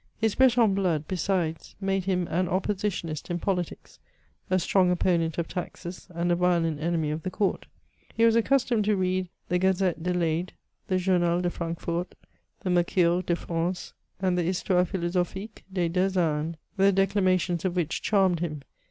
His Breton blood, besides, made him an oppositionist jn politics, a strong opponent of taxes, and a vic^ent enemy 43f the Court. He was accustomed to read the Gazette de jLeydcy the Journal de Francfort, the Mercure de France, imd the Hiatoire Philosophique des deux Indes ; the declamations of which charmed him.